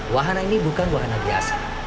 wahana ini bukan wahana biasa